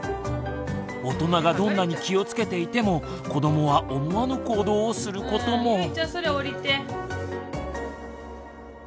大人がどんなに気をつけていても子どもは思わぬ行動をすることも。